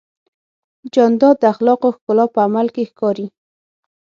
جانداد د اخلاقو ښکلا په عمل کې ښکاري.